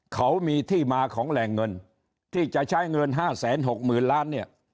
เขามีที่มาของแหล่งเงินที่จะใช้เงินห้าแสนหกหมื่นล้านเนี่ย